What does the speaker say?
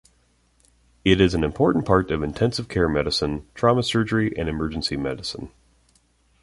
It is an important part of intensive care medicine, trauma surgery and emergency medicine.